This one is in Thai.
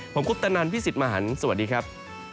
ผมคุปตนันพี่สิทธิ์มหันฯสวัสดีครับ